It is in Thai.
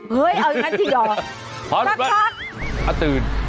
เฮ้ยเอาอย่างนั้นจริงหรอ